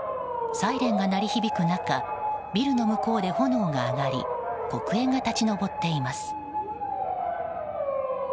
サイレンが鳴り響く中ビルの向こうで炎が上がり黒煙が立ち上っています。